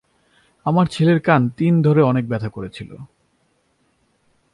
আমার ছেলের কান তিন ধরে অনেক ব্যথা ছিলো।